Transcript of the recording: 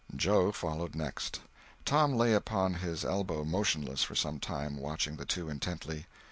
Joe followed next. Tom lay upon his elbow motionless, for some time, watching the two intently.